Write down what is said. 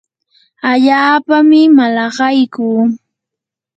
allaapami malaqaykuu.